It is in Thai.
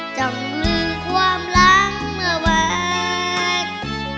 จำลืมความหลังเมื่อวาน